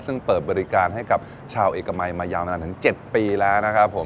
ซึ่งเปิดบริการให้กับชาวเอกมัยมายาวนานถึง๗ปีแล้วนะครับผม